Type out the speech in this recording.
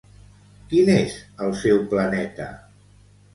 Quin és el seu planeta?